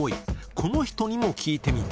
この人にも聞いてみた